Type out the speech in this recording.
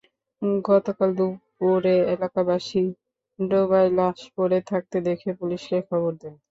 গতকাল দুপুরে এলাকাবাসী ডোবায় লাশ পড়ে থাকতে দেখে পুলিশে খবর দেন।